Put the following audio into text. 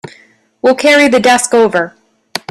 We'll carry the desk over.